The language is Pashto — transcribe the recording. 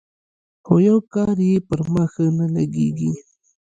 خو يو کار يې پر ما ښه نه لګېږي.